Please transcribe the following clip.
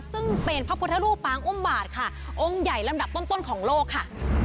ซึ่งเป็นพระพุทธรูปปางอุ้มบาทค่ะองค์ใหญ่ลำดับต้นของโลกค่ะ